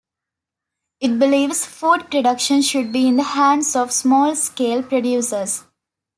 It believes food production should be in the hands of small-scale producers.